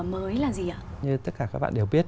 mới là gì ạ như tất cả các bạn đều biết